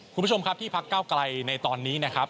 คุณผู้ชมครับที่พักเก้าไกลในตอนนี้นะครับ